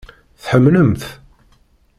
Tḥemmlem-t?